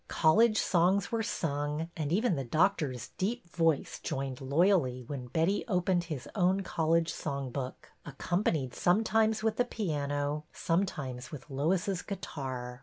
College songs were sung, and even the Doctor's deep voice joined loyally when Betty opened his own college song book, accompanied sometimes with the piano, sometimes with Lois's guitar.